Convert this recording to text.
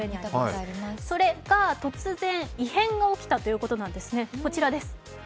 それが突然、異変が起きたということなんですね。